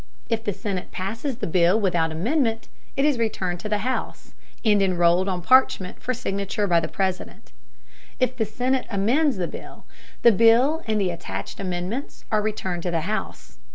If the Senate passes the bill without amendment, it is returned to the House, and enrolled on parchment for signature by the President. If the Senate amends the bill, the bill and the attached amendments are returned to the House.